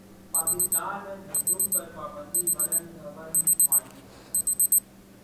پاکستان میں ڈھشوم پر پابندی ورن دھون مایوس